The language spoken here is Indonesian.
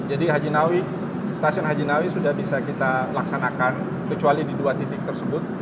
jadi haji nawi stasiun haji nawi sudah bisa kita laksanakan kecuali di dua titik tersebut